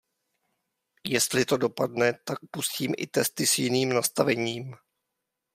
Jestli to dopadne, tak pustím i testy s jiným nastavením.